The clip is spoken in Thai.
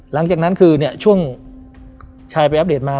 หลังจากนั้นคือเนี่ยช่วงชายไปอัปเดตมา